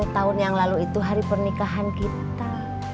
dua puluh tahun yang lalu itu hari pernikahan kita